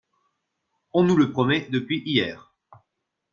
On nous le promet depuis hier